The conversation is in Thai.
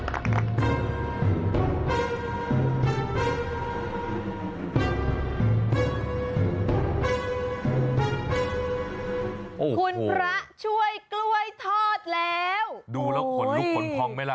คุณพระช่วยกล้วยทอดแล้วดูแล้วขนลุกขนพองไหมล่ะ